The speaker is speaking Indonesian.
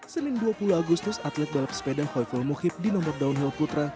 senin dua puluh agustus atlet balap sepeda hoiful mukhib di nomor downhill putra